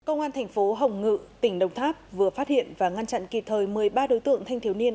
công an thành phố hồng ngự tỉnh đồng tháp vừa phát hiện và ngăn chặn kịp thời một mươi ba đối tượng thanh thiếu niên